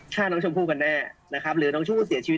ฆ่าน้องชมพู่กันแน่นะครับหรือน้องชู่เสียชีวิต